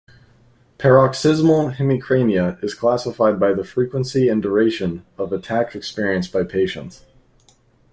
Paroxysmal hemicrania is classified by the frequency and duration of attacks experienced by patients.